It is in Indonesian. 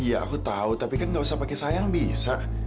ya aku tahu tapi kan gak usah pakai sayang bisa